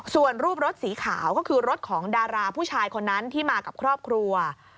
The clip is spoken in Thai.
ส่วนรูปรถสีขาวก็คือรถของดาราผู้ชายคนนั้นที่มากับครอบครัว